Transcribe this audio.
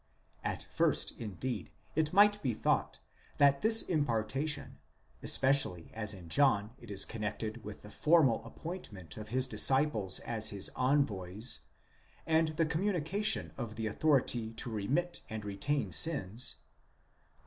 3 At first indeed it might be thought, that this impartation, especially as in John it is connected with the formal appointment of his disciples as his envoys, and the communication of the authority to remit and retain sins (comp.